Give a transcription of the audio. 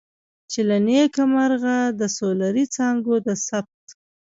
چې له نیکه مرغه د سولري څاګانو د ثبت.